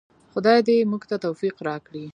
خدای دې موږ ته توفیق راکړي؟